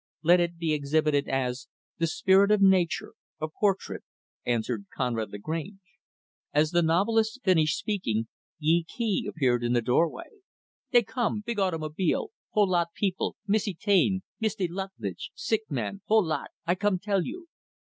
"Let it be exhibited as 'The Spirit of Nature A Portrait'," answered Conrad Lagrange. As the novelist finished speaking, Yee Kee appeared in the doorway. "They come big automobile. Whole lot people. Misse Taine, Miste' Lutlidge, sick man, whole lot I come tell you."